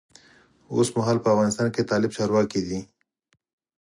اوسمهال په افغانستان کې طالب چارواکی دی.